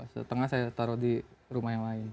setengah saya taruh di rumah yang lain